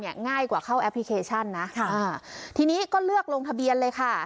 ง่ายกว่าเข้าแอปพลิเคชันนะค่ะอ่าทีนี้ก็เลือกลงทะเบียนเลยค่ะ